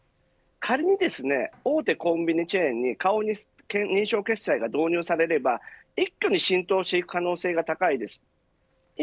仮にですね、大手コンビニチェーンに顔認証決済が導入されれば、一挙に浸透していく可能性があります。